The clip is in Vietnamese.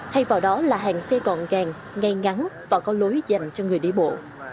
thay vào đó là hàng xe gọn gàng ngay ngắn và có lối dành cho người đi bộ